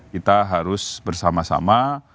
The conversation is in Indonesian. kita harus bersama sama